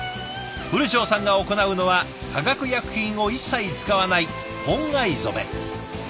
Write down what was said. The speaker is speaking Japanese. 古庄さんが行うのは化学薬品を一切使わない本藍染め。